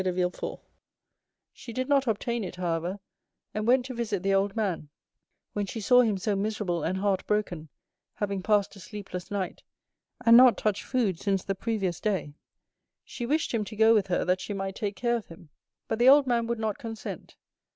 de Villefort; she did not obtain it, however, and went to visit the old man; when she saw him so miserable and heart broken, having passed a sleepless night, and not touched food since the previous day, she wished him to go with her that she might take care of him; but the old man would not consent.